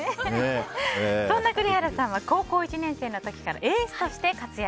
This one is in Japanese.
そんな栗原さんは高校１年生の時からエースとして活躍。